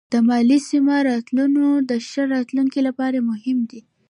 د ماليې سمه راټولونه د ښه راتلونکي لپاره مهمه ده.